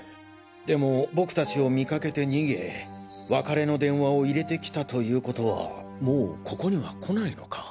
でも僕達を見かけて逃げ別れの電話を入れてきたということはもうここには来ないのか。